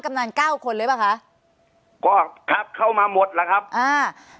ำนานเก้าคนหรือเปล่าคะก็ครับเข้ามาหมดแล้วครับอ่า